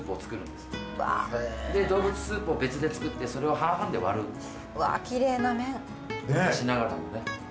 で動物スープを別で作ってそれを半々で割るんです。